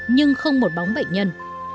nhưng không một bóng bệnh nhân